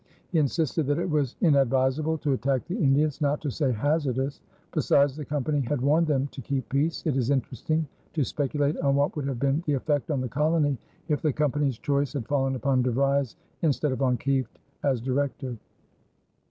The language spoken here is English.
He insisted that it was inadvisable to attack the Indians not to say hazardous. Besides, the Company had warned them to keep peace. It is interesting to speculate on what would have been the effect on the colony if the Company's choice had fallen upon De Vries instead of on Kieft as Director.